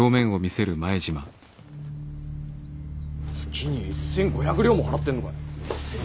月に１千５００両も払ってんのか？